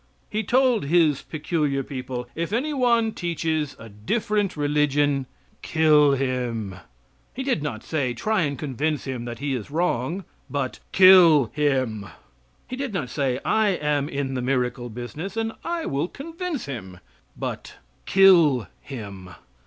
He told His peculiar people, "If any one teaches a different religion, kill him!" He did not say, "Try and convince him that he is wrong," but "kill him." He did not say, "I am in the miracle business, and I will convince him," but "kill him."